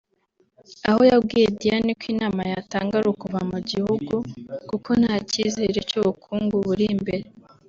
aho yabwiye Diane ko inama yatanga ari ukuva mu gihugu kuko nta cyizere cy’ubukungu buri imbere